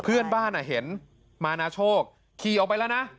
เพื่อนบ้านเห็นมานาโชคขี่ออกไปแล้วนะ